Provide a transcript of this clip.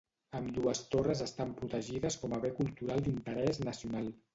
Ambdues torres estan protegides com a Bé cultural d'interès nacional.